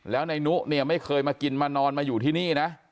แล้วนายนุเนี่ยไม่เคยมากินมานอนมาอยู่ที่นี่นะ